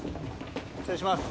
失礼します。